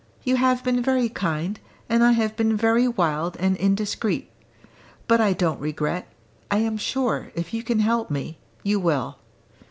You have been very kind, and I have been very wild and indiscreet. But I don't regret: I am sure, if you can help me, you will."